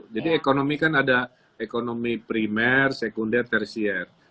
jadi ekonomi kan ada ekonomi primer sekunder tertiar